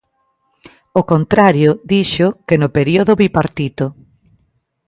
Ao contrario, dixo, que no período bipartito.